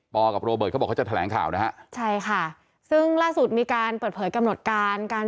กับโรเบิร์ตเขาบอกเขาจะแถลงข่าวนะฮะใช่ค่ะซึ่งล่าสุดมีการเปิดเผยกำหนดการการ